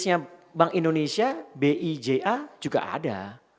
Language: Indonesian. di website bank indonesia dari dulu sudah ada